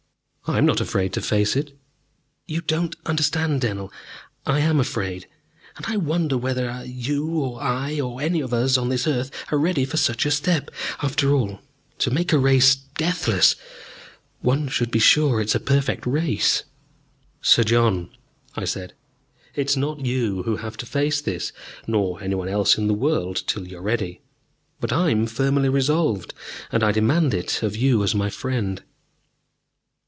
"I am not afraid to face it." "You do not understand it, Dennell, I am afraid. And I wonder whether you or I or any of us on this earth are ready for such a step. After all, to make a race deathless, one should be sure it is a perfect race." "Sir John," I said, "it is not you who have to face this, nor any one else in the world till you are ready. But I am firmly resolved, and I demand it of you as my friend."